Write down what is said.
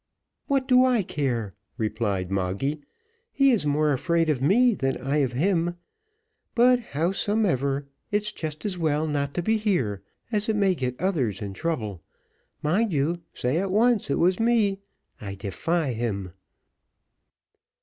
"What do I care?" replied Moggy. "He is more afraid of me than I of him; but, howsomever, it's just as well not to be here, as it may get others in trouble. Mind you say at once it was me I defy him."